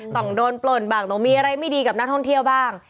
ต้องโดนปล่นบ้างต้องมีอะไรไม่ดีกับนักท่องเที่ยวบ้าง